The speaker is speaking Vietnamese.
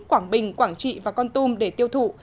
quảng bình quảng trị và con tum để tiêu thụ